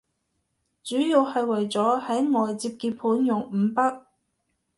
主要係為咗喺外接鍵盤用五筆